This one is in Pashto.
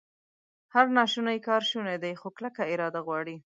هر ناشونی کار شونی دی، خو کلکه اراده غواړي